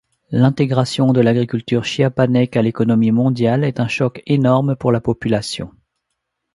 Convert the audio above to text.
L'intégration de l'agriculture chiapanèque à l'économie mondiale est un choc énorme pour la population.